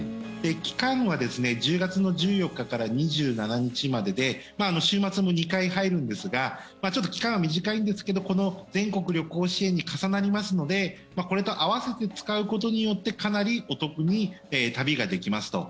期間は１０月１４日から２７日までで週末も２回入るんですがちょっと期間短いんですけど全国旅行支援に重なりますのでこれと併せて使うことによってかなりお得に旅ができますと。